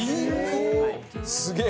すげえ！